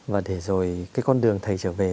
và để rồi cái con đường thầy trở về